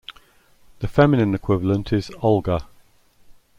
The feminine equivalent is Olga.